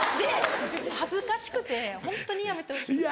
恥ずかしくてホントにやめてほしい。